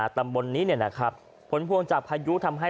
ตำบลนี้นะครับพ้นพลวงจากพายุทำให้